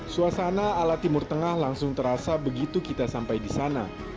suasana ala timur tengah langsung terasa begitu kita sampai di sana